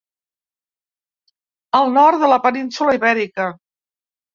El nord de la península ibèrica.